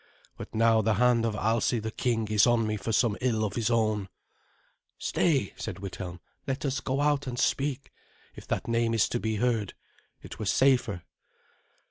But now the hand of Alsi the king is on me for some ill of his own " "Stay," said Withelm. "Let us go out and speak, if that name is to be heard. It were safer."